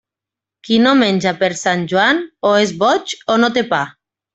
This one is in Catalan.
Qui no menja per Sant Joan, o és boig o no té pa.